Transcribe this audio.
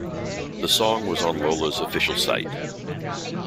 The song was on Lola's official site.